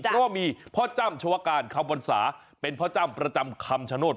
เพราะว่ามีพ่อจ้ำชวการคำวรรษาเป็นพ่อจ้ำประจำคำชโนธ